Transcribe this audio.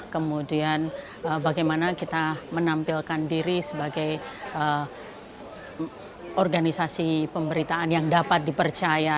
kemudian bagaimana kita menampilkan diri sebagai organisasi pemberitaan yang dapat dipercaya